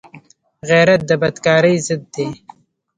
غیرت د بدکارۍ ضد دی